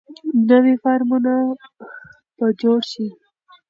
نوي فارمونه به جوړ شي.